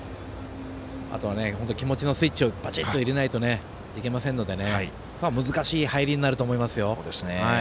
あと気持ちのスイッチをバチっと入れなくてはいけませんので難しい入りになると思いますよ。